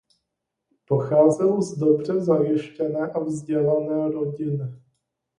Pocházel z dobře zajištěné a vzdělané rodiny.